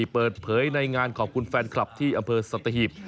เปิดเผยในงานขอบคุณแฟนคลับที่อำเภอสัตหีบ